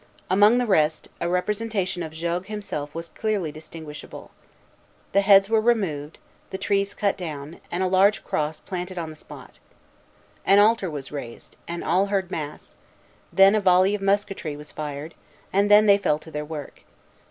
Among the rest, a representation of Jogues himself was clearly distinguishable. The heads were removed, the trees cut down, and a large cross planted on the spot. An altar was raised, and all heard mass; then a volley of musketry was fired; and then they fell to their work.